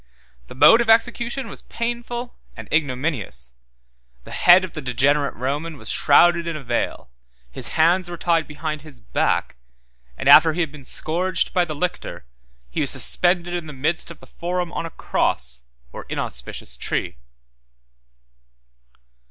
The mode of execution was painful and ignominious: the head of the degenerate Roman was shrouded in a veil, his hands were tied behind his back, and after he had been scourged by the lictor, he was suspended in the midst of the forum on a cross, or inauspicious tree.